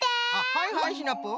はいはいシナプー。